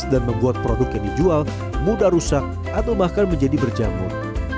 dan membuat produk yang dijual mudah rusak atau bahkan menjadi berjamur